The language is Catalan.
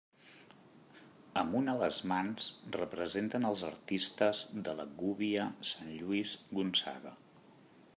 Amb un a les mans representen els artistes de la gúbia sant Lluís Gonçaga.